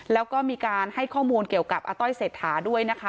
แล้วก็มีการให้ข้อมูลเกี่ยวกับอาต้อยเศรษฐาด้วยนะคะ